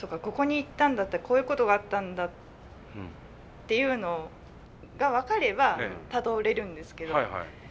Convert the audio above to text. ここに行ったんだこういうことがあったんだっていうのが分かればたどれるんですけど。